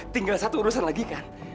tinggal satu urusan lagi kan